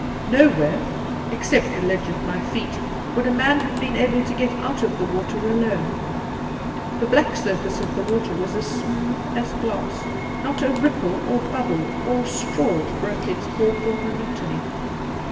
Nowhere, except the ledge at my feet, would a man have been able to get out of the water alone. The black surface of the water was as smooth as glass ; not a ripple or bubble or straw broke its awful monotony.